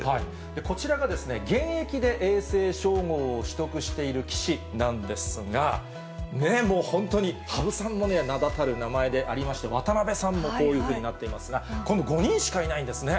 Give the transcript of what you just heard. こちらがですね、現役で永世称号を取得している棋士なんですが、もう本当に羽生さんも名だたる名前でありまして、渡辺さんもこういうふうになっていますが、この５人しかいないんですね。